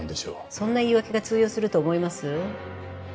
そんな言い訳が通用すると思います？